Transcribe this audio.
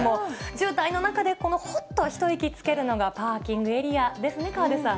渋滞の中で、このほっと一息つけるのがパーキングエリアですね、河出さん。